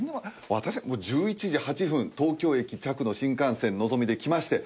私は１１時８分東京駅着の新幹線のぞみで来まして